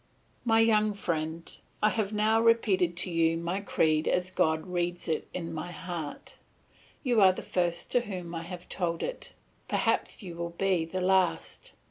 "My young friend, I have now repeated to you my creed as God reads it in my heart; you are the first to whom I have told it; perhaps you will be the last.